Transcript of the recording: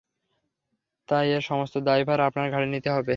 তাই, এর সমস্ত দায়ভার আপনার ঘাড়ে নিতে হবে।